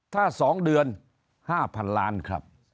ถ้าสองเดือนห้าพันล้านครับ